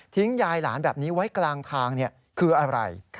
ยายหลานแบบนี้ไว้กลางทางคืออะไร